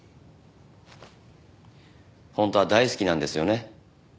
本当は大好きなんですよね？